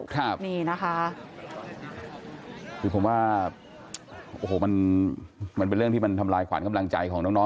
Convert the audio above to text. ครับคือผมว่าโอ้โฮมันเป็นเรื่องที่ทำลายขวานกำลังใจของน้อง